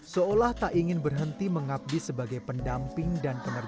seolah tak ingin berhenti mengabdi sebagai pendamping dan penerbit